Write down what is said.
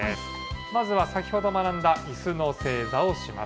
まずは先ほど学んだいすの正座をします。